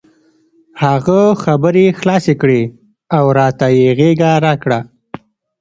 هغه خبرې خلاصې کړې او راته یې غېږه راکړه.